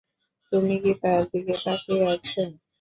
তুমি কি তার দিকে তাকিয়ে আছ?